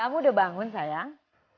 kamu sudah bangun sayang